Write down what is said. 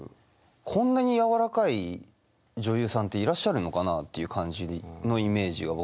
こんなにやわらかい女優さんっていらっしゃるのかなっていう感じのイメージが僕はあって。